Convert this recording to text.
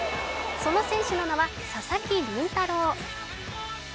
その選手の名は佐々木麟太郎。